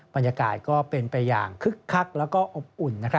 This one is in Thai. บรรยากาศก็เป็นไปอย่างคึกคักแล้วก็อบอุ่น